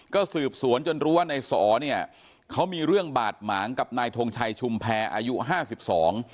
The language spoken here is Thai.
ก็สืบสวนจนรู้ว่านายสอเนี่ยเขามีเรื่องบาดหมางกับนายทงชัยชุมแพรอายุห้าสิบสอง